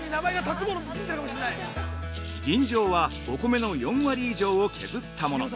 吟醸はお米の４割以上を削ったもの。